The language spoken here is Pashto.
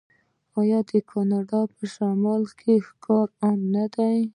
آیا د کاناډا په شمال کې ښکار عام نه و؟